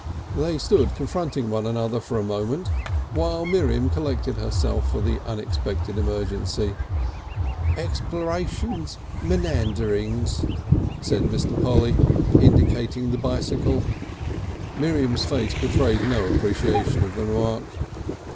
They stood confronting one another for a moment, while Miriam collected herself for the unexpected emergency. "Explorations menanderings," said Mr. Polly, indicating the bicycle. Miriam's face betrayed no appreciation of the remark.